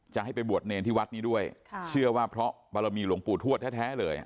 จะให้ไปบวชเนรที่วัดนี้ด้วยเชื่อว่าเพราะบารมีหลวงปู่ทวดแท้เลย